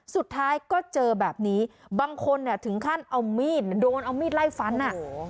สุดท้ายก็เจอแบบนี้บางคนเนี่ยถึงขั้นเอามีดโดนเอามีดไล่ฟันอ่ะ